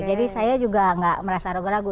jadi saya juga nggak merasa ragu ragu